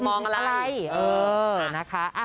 มองอะไรเออนะคะ